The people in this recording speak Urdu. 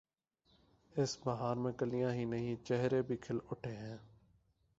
اس بہار میں کلیاں ہی نہیں، چہرے بھی کھل اٹھے ہیں۔